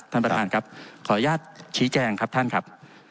ท่านประธานครับขออนุญาตชี้แจงครับท่านครับ